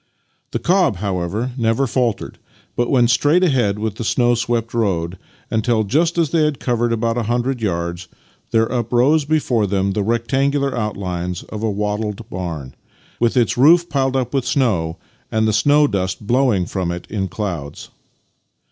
" The cob, however, never faltered, but went straight ahead along the snow swept road; until, just as they had covered about a hundred yards, there uprose before them the rectangular outlines of a wattled barn, with its roof piled with snow and the snow dust blowing from it in clouds.